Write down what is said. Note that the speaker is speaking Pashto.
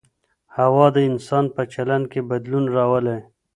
هوا د انسان په چلند کي بدلون راولي.